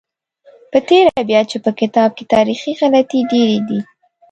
په تېره بیا چې په کتاب کې تاریخي غلطۍ ډېرې دي.